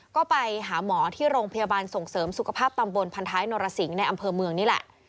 ก็ไปหาหมอที่โรงพยาบาลส่งเสริมสุขภาพตำบลพันท้ายนรสิงห์ในอำเภอเมืองนี่แหละ